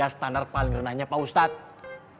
harga standar paling renahnya pak ustadz